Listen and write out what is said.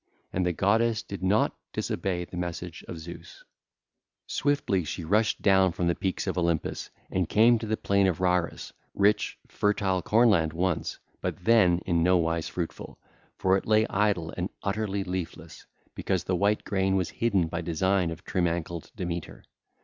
And the goddess did not disobey the message of Zeus; swiftly she rushed down from the peaks of Olympus and came to the plain of Rharus, rich, fertile corn land once, but then in nowise fruitful, for it lay idle and utterly leafless, because the white grain was hidden by design of trim ankled Demeter.